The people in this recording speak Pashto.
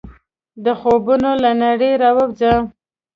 د خوبونو له نړۍ راووځه !